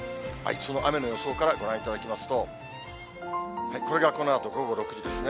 その雨の予想からご覧いただきますと、これがこのあと午後６時ですね。